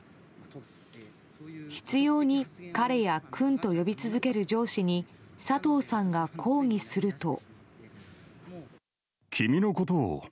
執拗に彼や君と呼び続ける上司に佐藤さんが抗議すると。